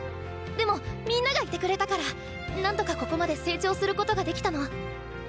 でもみんながいてくれたから何とかここまで成長することができたの。